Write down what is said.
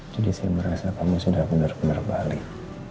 jadi saya merasa kamu sudah benar benar balik